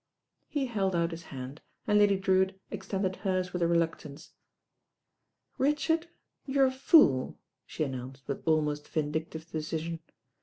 He held out his hand, and Lady Drcwitt extended hers with reluctance. "Richard, you're a fool," she announced with al most vindictive decision.